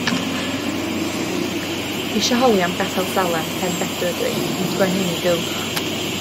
Isio holi am Gapel Salem, Penbedw ydw i; yn sgwennu yn ei gylch.